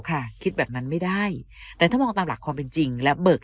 ค่ะคิดแบบนั้นไม่ได้แต่ถ้ามองตามหลักความเป็นจริงและเบิก